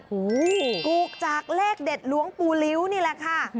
โอ้โหถูกจากเลขเด็ดหลวงปู่ลิ้วนี่แหละค่ะ